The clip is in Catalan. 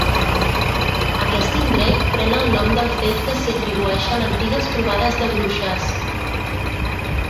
Aquest indret pren el nom del fet que s'hi atribueixen antigues trobades de bruixes.